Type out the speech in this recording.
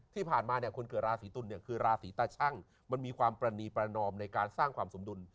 ที่ผ่านมาเนี่ยคนเกิดราศีตุลเนี่ยคือราศีตาชั่งมันมีความประนีประนอมในการสร้างความสมดุล